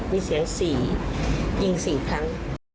มีเสียงสี่ยิงสี่ครั้ง